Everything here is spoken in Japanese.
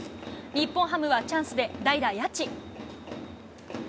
日本ハムはチャンスで代打、谷内。